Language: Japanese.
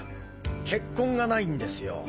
血痕がないんですよ。